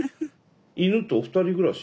犬と二人暮らし？